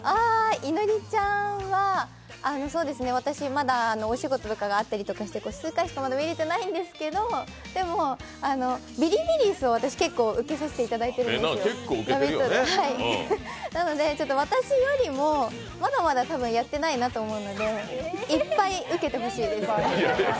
いのりちゃんは、私、まだお仕事とかがあったりして数回しかまだ見れてないんですけど、ビリビリ椅子を私、結構受けさせていただいてるんですけどなので、私よりもまだまだ多分やってないなと思うのでいやいや